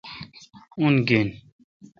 اؙن گین۔